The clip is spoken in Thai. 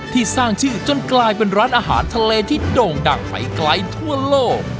ที่สร้างชื่อจนกลายเป็นร้านอาหารทะเลที่โด่งดังไปไกลทั่วโลก